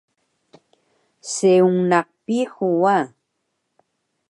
Seung naq Pihu wa